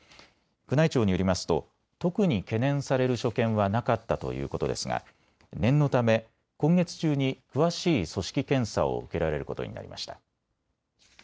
宮内庁によりますと特に懸念される所見はなかったということですが念のため、今月中に詳しい組織検査を受けられることになりました。